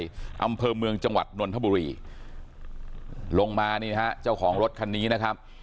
อำเภอเมืองจังหวัดนนทบุรีลงมานี่นะฮะเจ้าของรถคันนี้นะครับ